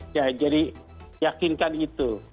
ya jadi yakinkan itu